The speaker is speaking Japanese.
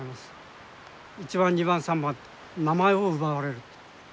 １番２番３番と名前を奪われる。